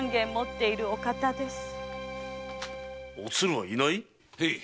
おつるは居ない